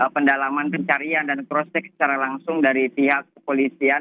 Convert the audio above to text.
pendalaman pencarian dan cross check secara langsung dari pihak kepolisian